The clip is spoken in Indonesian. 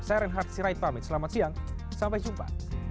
saya reinhard sirait pamit selamat siang sampai jumpa